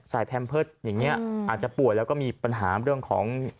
แพมเพิร์ตอย่างนี้อาจจะป่วยแล้วก็มีปัญหาเรื่องของ